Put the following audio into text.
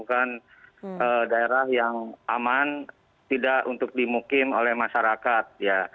membangunkan daerah yang aman tidak untuk dimukim oleh masyarakat